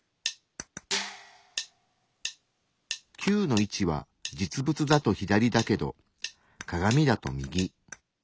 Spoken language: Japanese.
９の位置は実物だと左だけど鏡だと右。